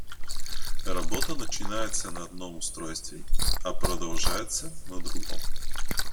Работа начинается на одном устройстве, а продолжается на другом